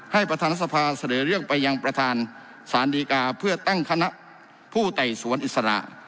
ประธานสภาเสนอเรื่องไปยังประธานสารดีกาเพื่อตั้งคณะผู้ไต่สวนอิสระ